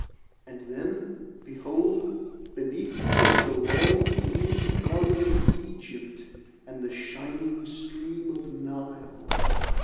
And then, behold, beneath him was the long green garden of Egypt and the shining stream of Nile.